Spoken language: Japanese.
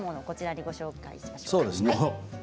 こちらでご紹介しましょうか。